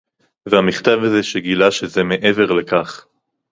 והמכתב הזה שגילה שזה מעבר לכך